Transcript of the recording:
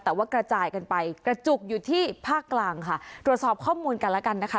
แต่ว่ากระจายกันไปกระจุกอยู่ที่ภาคกลางค่ะตรวจสอบข้อมูลกันแล้วกันนะคะ